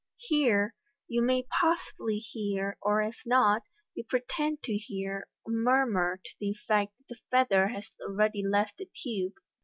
Here you may possibly hear, or if not, you pretend to hear, a murmur to the effect that the feather has already left the tube.